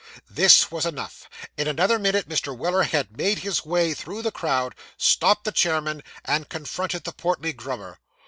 This was enough. In another minute Mr. Weller had made his way through the crowd, stopped the chairmen, and confronted the portly Grummer.